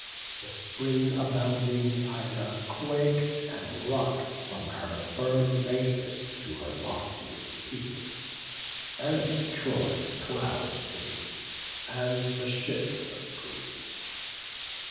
The spring abounding Ida quak'd and rock'd From her firm basis to her loftiest peak, And Troy's proud city, and the ships of Greece.